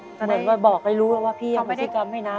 โอ้เหมือนว่าบอกให้รู้ซะว่าพี่ยังไม่กั้มให้น้ำ